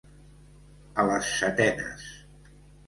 A les setenes.